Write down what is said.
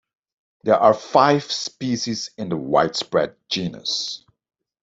There are five species in the widespread genus.